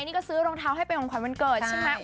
นี่ก็ซื้อรองเท้าให้เป็นของขวัญวันเกิดใช่ไหม